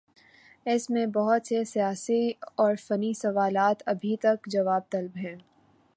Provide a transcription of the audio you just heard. اس میں بہت سے سیاسی اور فنی سوالات ابھی تک جواب طلب ہیں۔